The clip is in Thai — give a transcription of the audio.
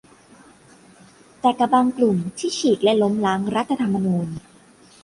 แต่กับบางกลุ่มที่ฉีกและล้มล้างรัฐธรรมนูญ